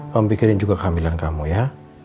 kamu pikirin juga kehamilan kamu ya